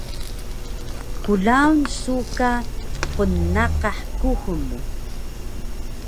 klaun su ka qnnaqah kuxul mu